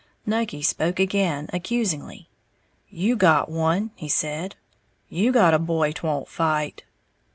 Nucky spoke again, accusingly, "You got one," he said; "you got a boy 't won't fight!"